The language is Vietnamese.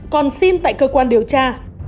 còn xin tại cơ quan điều tra